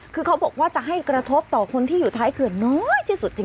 คือเขาบอกว่าจะให้กระทบต่อคนที่อยู่ท้ายเขื่อนน้อยที่สุดจริง